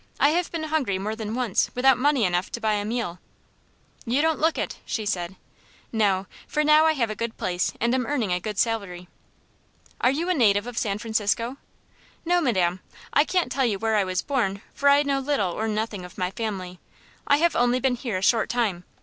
"I have been hungry more than once, without money enough to buy a meal." "You don't look it," she said. "No, for now I have a good place and am earning a good salary." "Are you a native of San Francisco?" "No, madam. I can't tell you where I was born, for I know little or nothing of my family. I have only been here a short time.